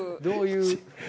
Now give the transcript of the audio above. どういう。